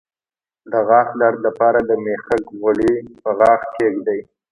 د غاښ درد لپاره د میخک غوړي په غاښ کیږدئ